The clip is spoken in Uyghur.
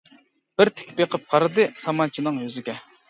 بىر تىك بېقىپ قارىدى، سامانچىنىڭ يۈزىگە.